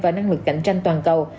và năng lực cạnh tranh toàn cầu